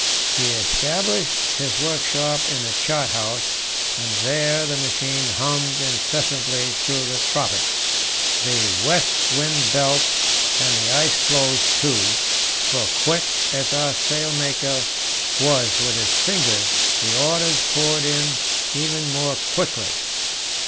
He established his workshop in the chart house, and there the machine hummed incessantly through the tropics, the west wind belt, and the ice floes too; for, quick as our sailmaker was with his fingers, the orders poured in even more quickly.